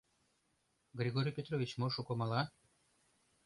Григорий Петрович мо шуко мала?